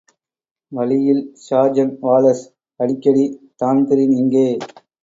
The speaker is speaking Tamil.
வழியில் சார்ஜென்ட் வாலஸ் அடிக்கடி, தான்பிரீன் எங்கே?